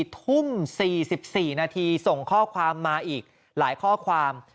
๔ทุ่ม๔๔นาทีส่งข้อความมาอีกหลายข้อความ